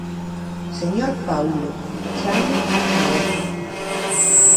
Señor Paulo, chámoo á orde.